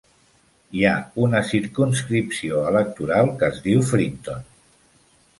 Hi ha una circumscripció electoral que es diu Frinton.